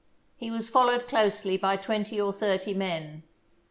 He was followed closely by twenty or thirty men.